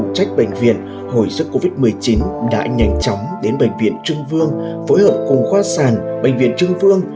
đang phụ trách bệnh viện hội sức covid một mươi chín đã nhanh chóng đến bệnh viện trân vương phối hợp cùng khoa sản bệnh viện trân vương